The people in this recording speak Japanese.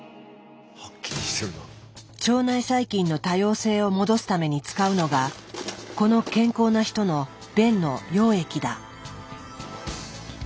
腸内細菌の多様性を戻すために使うのがこの健康な人の便の溶液だ。